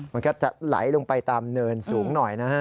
มันก็จะไหลลงไปตามเนินสูงหน่อยนะฮะ